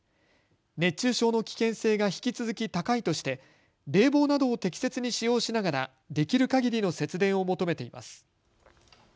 熱中症の危険性が引き続き高いとして冷房などを適切に使用しながらできるかぎりの節電を求めています。